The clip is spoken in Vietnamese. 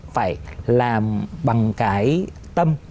phải làm bằng cái tâm